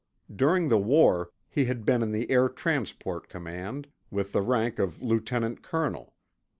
During the war, he had been in the Air Transport Command, with the rank of lieutenant colonel.